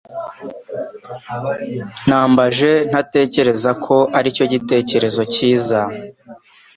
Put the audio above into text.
nambaje ntatekereza ko aricyo gitekerezo cyiza.